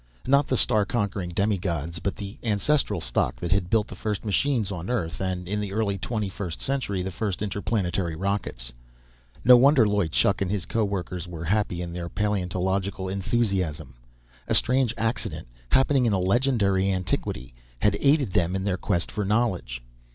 Not the star conquering demi gods, but the ancestral stock that had built the first machines on Earth, and in the early Twenty first Century, the first interplanetary rockets. No wonder Loy Chuk and his co workers were happy in their paleontological enthusiasm! A strange accident, happening in a legendary antiquity, had aided them in their quest for knowledge.